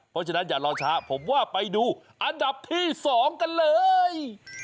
เพราะฉะนั้นอย่ารอช้าผมว่าไปดูอันดับที่๒กันเลย